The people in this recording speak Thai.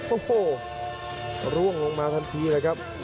โอ้โหร่วงลงมาทันทีเลยครับ